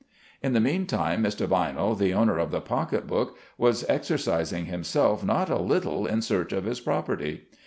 In the meantime Mr. Vinell, the owner of the pocket book, was exercising himself not a little in search of his property.